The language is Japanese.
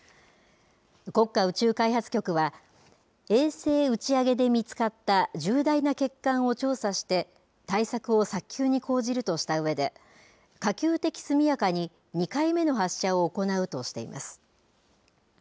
国家宇宙開発局は、衛星打ち上げで見つかった重大な欠陥を調査して、対策を早急に講じるとしたうえで、可及的速やかに２回目の発射を行うとしています。